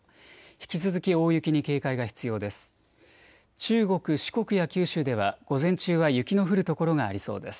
引き続き大雪に警戒が必要です。